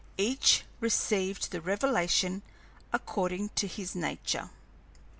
Each received the revelation according to his nature.